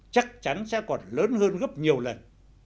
chắc chắn sẽ còn lớn hơn gấp nhiều lần